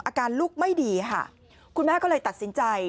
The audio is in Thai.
อาการลูกไม่ดีค่ะคุณแม่ก็เลยตัดสินใจ